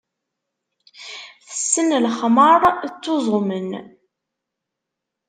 Tessen lexmeṛ, ttuẓumen.